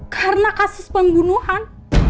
karena kasus pembunuhan